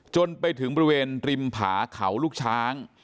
จนไปถึงบริเวณริมผาเขาลูกช้าง